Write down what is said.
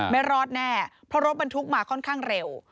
ไม่รอดแน่เพราะรถบรรทุกมาค่อนข้างเร็ว